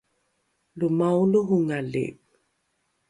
lo maolohongali